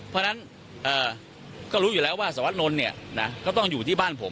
เพราะฉะนั้นก็รู้อยู่แล้วว่าสวัสดนนท์เนี่ยนะก็ต้องอยู่ที่บ้านผม